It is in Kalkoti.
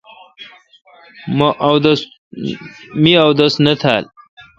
می اودس نہ تھال۔